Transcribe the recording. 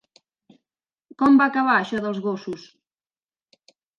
Com va acabar, això dels gossos?